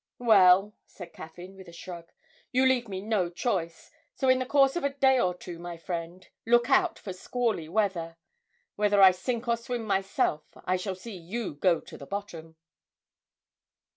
'Well,' said Caffyn, with a shrug, 'you leave me no choice, so in the course of a day or two, my friend, look out for squally weather! Whether I sink or swim myself, I shall see you go to the bottom!'